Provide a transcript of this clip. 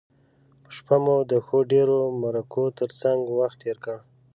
په شپه مو د ښو ډیرو مرکو تر څنګه وخت تیر کړ.